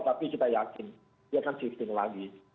tapi kita yakin dia akan shifting lagi